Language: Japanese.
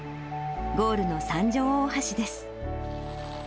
ゴールの三条大橋です。